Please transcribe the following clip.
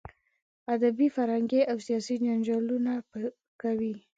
ادبي، فرهنګي او سیاسي جنجالونه کوي.